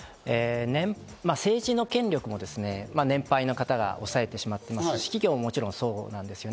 政治の権力も年配の方が抑えてしまっていますし、指揮権もそうです。